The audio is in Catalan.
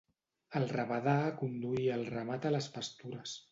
El rabadà aconduïa el ramat a les pastures.